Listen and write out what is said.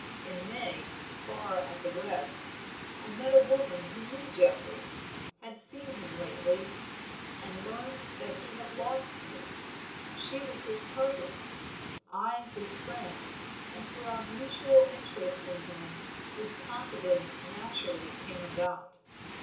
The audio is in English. In May, far at the West, I met a woman who knew Geoffrey; had seen him lately, and learned that he had lost you. She was his cousin, I his friend, and through our mutual interest in him this confidence naturally came about.